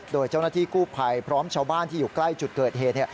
โดยเจ้าหน้าที่กู้ภัยพร้อมชาวบ้านที่อยู่ใกล้จุดเกิดเหตุ